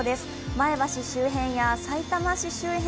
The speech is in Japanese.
前橋周辺やさいたま市周辺